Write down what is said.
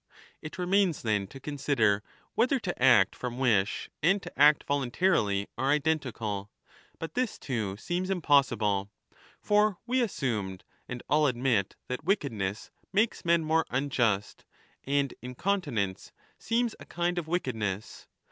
It remains then to consider whether to act from wish 30 and to act voluntarily are identical. But this too seems impossible. For we assumed and all admit that wickedness makes men more unjust, and incontinence seems a kind ot wickedness.